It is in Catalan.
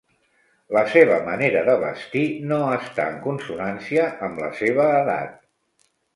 La seva manera de vestir no està en consonància amb la seva edat.